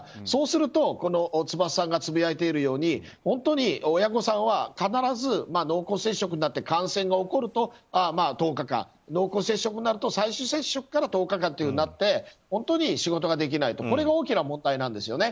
そうすると、つばささんがつぶやいているように本当に親御さんは必ず濃厚接触になって感染が起こると１０日間濃厚接触になると最終接触から１０日間となって本当に仕事ができないとこれが大きな問題なんです。